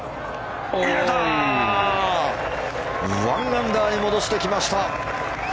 １アンダーへ戻してきました。